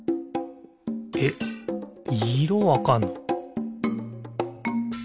えっいろわかんの！？